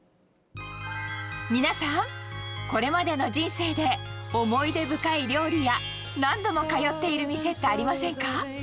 皆さん、これまでの人生で思い出深い料理や何度も通っている店ってありませんか。